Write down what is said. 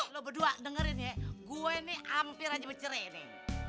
lo berdua dengerin ya gue ini hampir aja menceri nih